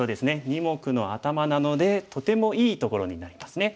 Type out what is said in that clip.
二目のアタマなのでとてもいいところになりますね。